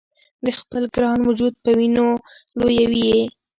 د خپل ګران وجود په وینو لویوي یې